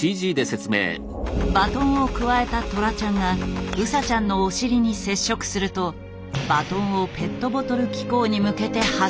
バトンをくわえたトラちゃんがウサちゃんのお尻に接触するとバトンをペットボトル機構に向けて発射。